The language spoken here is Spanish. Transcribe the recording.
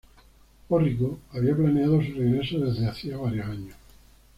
Orrico había planeado su regreso desde hacía varios años.